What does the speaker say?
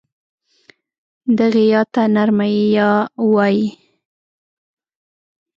دغې ی ته نرمه یې وايي.